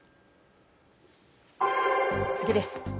次です。